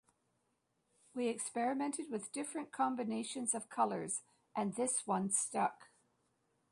We experimented with different combinations of colours and this one stuck.